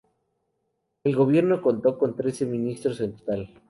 El Gobierno contó con trece ministros en total.